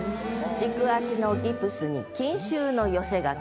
「軸足のギプスに金秋の寄せ書き」。